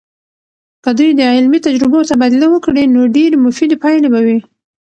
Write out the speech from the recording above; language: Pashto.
که دوی د علمي تجربو تبادله وکړي، نو ډیرې مفیدې پایلې به وي.